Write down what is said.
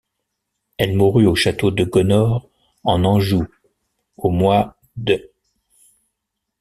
Elle mourut au château de Gonnord en Anjou au mois d'.